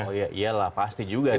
oh iyalah pasti juga sih